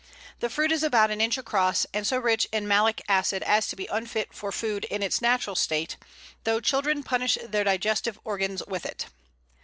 The fruit is about an inch across, and so rich in malic acid as to be unfit for food in its natural state, though children punish their digestive organs with it.